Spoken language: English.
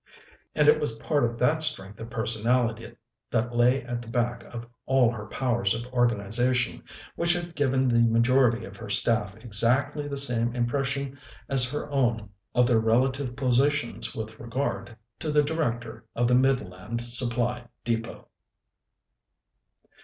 And it was part of that strength of personality that lay at the back of all her powers of organization, which had given the majority of her staff exactly the same impression as her own of their relative positions with regard to the Director of the Midland Supply Depôt.